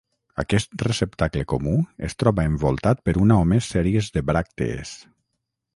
Aquest receptacle comú es troba envoltat per una o més sèries de bràctees.